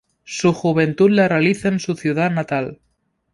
Su juventud la realiza en su ciudad natal.